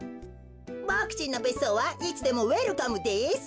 ボクちんのべっそうはいつでもウエルカムです。